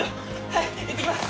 はいいってきます。